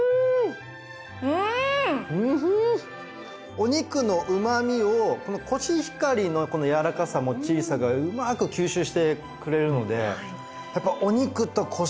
お肉のうまみをこのコシヒカリのこのやわらかさもっちりさがうまく吸収してくれるのでやっぱお肉とコシヒカリって合いますね。